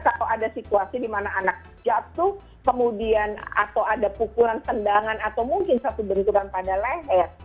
kalau ada situasi di mana anak jatuh kemudian atau ada pukulan tendangan atau mungkin satu benturan pada leher